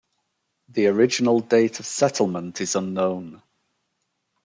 The original date of settlement is unknown.